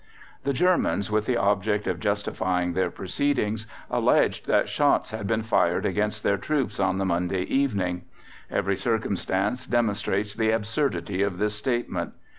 The Germans, with the object of justifying their proceedings, alleged that shots had been fired against their troops on the Monday evening. Every circumstance demonstrates the absurdity of this statement.